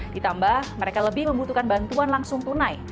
ditambah mereka lebih membutuhkan bantuan langsung tunai